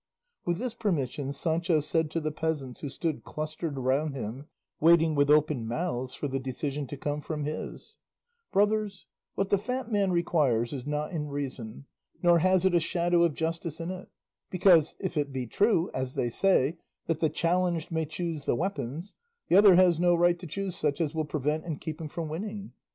With this permission Sancho said to the peasants who stood clustered round him, waiting with open mouths for the decision to come from his, "Brothers, what the fat man requires is not in reason, nor has it a shadow of justice in it; because, if it be true, as they say, that the challenged may choose the weapons, the other has no right to choose such as will prevent and keep him from winning.